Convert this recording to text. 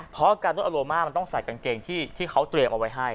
เพราะการนวดอโลมามันต้องใส่กางเกงที่เขาเตรียมเอาไว้ให้